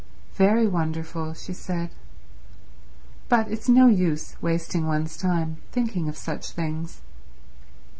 "Very wonderful," she said. "But it's no use wasting one's time thinking of such things."